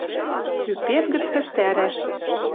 Ӱпет гӹц вӹстӓрӓш!